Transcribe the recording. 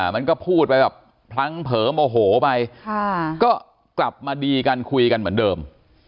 มันก็พูดไปแบบพลั้งเผลอโมโหไปก็กลับมาดีกันคุยกันเหมือนเดิม